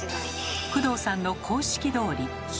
工藤さんの公式どおり。